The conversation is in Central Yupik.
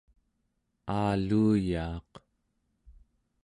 aaluuyaaq